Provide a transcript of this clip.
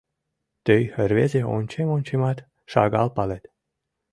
— Тый, рвезе, ончем-ончемат, шагал палет.